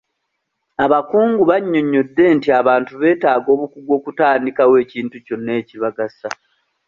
Abakungu banyonyodde nti abantu beetaaga obukugu okutandikawo ekintu kyonna ekibagasa.